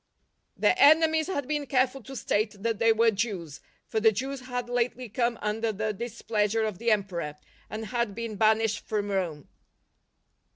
Their enemies had been careful to state that they were Jews, for the Jews had lately come under the displeasure of the Emperor, and had been banished from Rome.